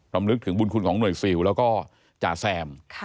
ำลึกถึงบุญคุณของหน่วยซิลแล้วก็จ่าแซม